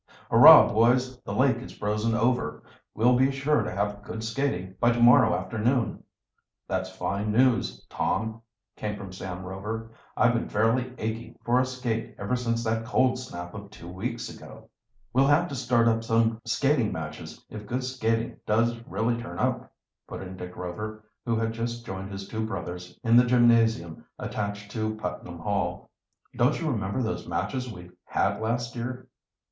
"Hurrah, boys, the lake is frozen over! We'll be sure to have good skating by to morrow afternoon!" "That's fine news, Tom," came from Sam Rover. "I've been fairly aching for a skate ever since that cold snap of two weeks ago." "We'll have to start up some skating matches if good skating does really turn up," put in Dick Rover, who had just joined his two brothers in the gymnasium attached to Putnam Hall. "Don't you remember those matches we had last year?"